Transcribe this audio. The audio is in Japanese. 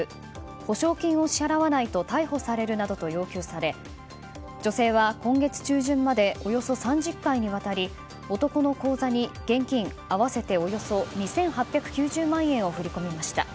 補償金を支払わないと逮捕されるなどと要求され女性は今月中旬までおよそ３０回にわたり男の口座に現金合わせておよそ２８９０万円を振り込みました。